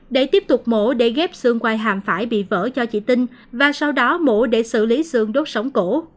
để tiếp tục mổ để ghép xương qua hàm phải bị vỡ cho chị tinh và sau đó mổ để xử lý xương đốt sống cổ